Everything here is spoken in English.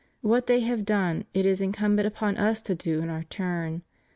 What they have done it is incumbent upon us to do in our turn.